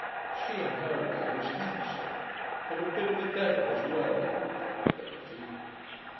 She, in her way, was handsome: but a bit of a devil as well, in all probability.